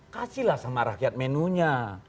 kasih lah sama rakyat menunya